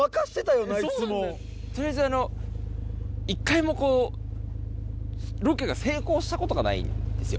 取りあえず１回もロケが成功したことがないんですよ。